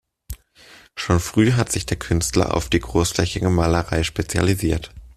Schon früh hat sich der Künstler auf die großflächige Malerei spezialisiert.